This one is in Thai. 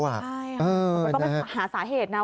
ใช่มันก็เป็นหาสาเหตุนะ